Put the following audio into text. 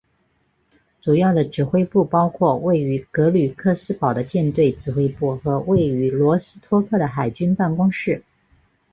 主要的指挥部包括位于格吕克斯堡的舰队指挥部和位于罗斯托克的海军办公室。